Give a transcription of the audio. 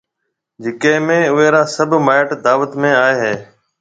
جڪيَ ۾ اوئيَ را سڀ مائيٽ دعوت ۾ آئيَ ھيََََ